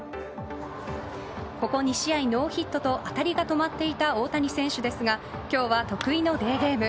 ここ２試合ノーヒットと当たりが止まっていた大谷選手ですが今日は得意のデーゲーム。